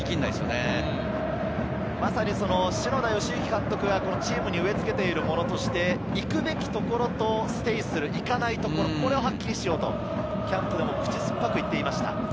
篠田善之監督はチームに植えつけるものとして、行くべきところとステイする、行かないところ、これをはっきりしようとキャンプでも口酸っぱく言っていました。